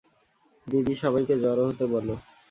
দিদি, সবাইকে জড়ো হতে বলো।